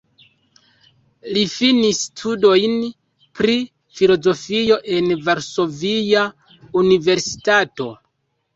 Li finis studojn pri filozofio en Varsovia Universitato.